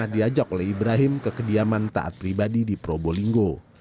karena diajak oleh ibrahim ke kediaman taat pribadi di probolinggo